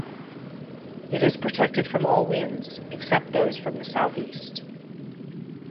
It is protected from all winds, except those from the southeast.